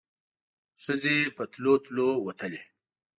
ښځې په تلو تلو وتلې.